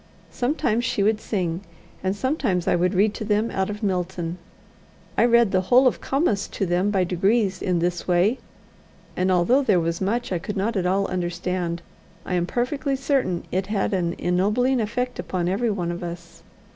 Sometimes she would sing, and sometimes I would read to them out of Milton I read the whole of Comus to them by degrees in this way; and although there was much I could not at all understand, I am perfectly certain it had an ennobling effect upon every one of us.